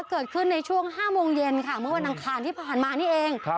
เกิดขึ้นในช่วง๕โมงเย็นค่ะเมื่อวันอังคารที่ผ่านมานี่เอง